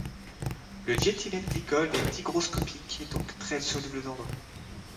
Le diéthylène glycol est hygroscopique et donc très soluble dans l'eau.